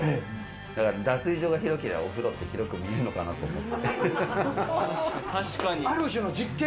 だから脱衣所が広ければお風呂って広く見えるのかなと思って。